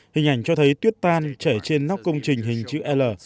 hình ảnh cho thấy tuyết tan chảy trên nóc công trình hình chữ l